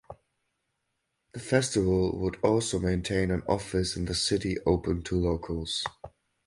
The festival would also maintain an office in the city open to locals.